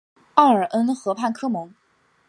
奥尔恩河畔科蒙。